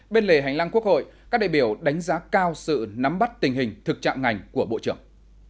bên lề hành lang quốc hội các đại biểu đánh giá cao sự nắm bắt tình hình thực trạng ngành của bộ trưởng